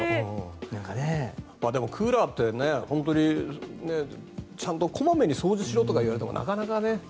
でもクーラーってちゃんとこまめに掃除しろって言われてもなかなかね。